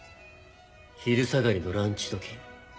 昼下がりのランチ時。